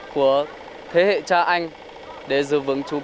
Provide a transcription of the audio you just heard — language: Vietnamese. của thế hệ cha anh để giữ vững chủ quyền